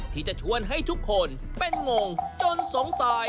ที่จะชวนให้ทุกคนเป็นงงจนสงสัย